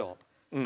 うん。